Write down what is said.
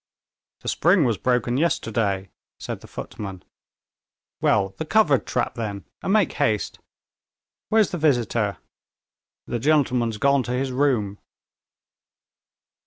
"The spring was broken yesterday," said the footman. "Well, the covered trap, then, and make haste. Where's the visitor?" "The gentleman's gone to his room."